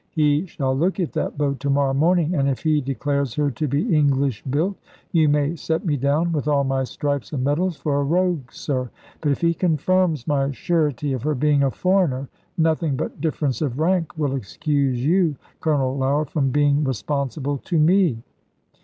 He shall look at that boat to morrow morning, and if he declares her to be English built, you may set me down, with all my stripes and medals, for a rogue, sir. But if he confirms my surety of her being a foreigner, nothing but difference of rank will excuse you, Colonel Lougher, from being responsible to me."